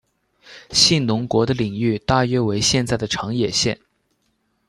信浓国的领域大约为现在的长野县。